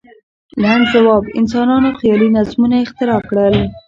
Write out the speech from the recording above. لنډ ځواب: انسانانو خیالي نظمونه اختراع کړل.